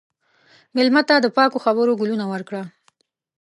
مېلمه ته د پاکو خبرو ګلونه ورکړه.